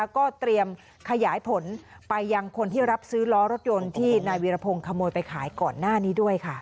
ก็เตรียมขยายผลไปยังคนที่รับซื้อล้อรถยนต์ที่นายวีรพงศ์ขโมยไปขายก่อนหน้านี้ด้วยค่ะ